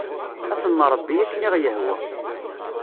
Ad ten-nṛebbi akken i ɣ-yehwa.